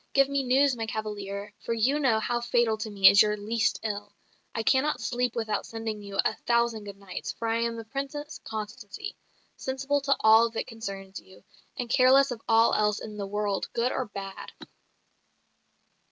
Give me news, my cavalier; for you know how fatal to me is your least ill. I cannot sleep without sending you a thousand good nights; for I am the Princess Constancy, sensible to all that concerns you, and careless of all else in the world, good or bad."